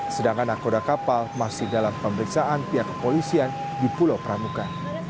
sedangkan nakoda kapal masih dalam pemeriksaan pihak kepolisian di pulau pramuka